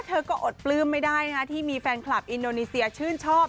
เธอก็อดปลื้มไม่ได้ที่มีแฟนคลับอินโดนีเซียชื่นชอบ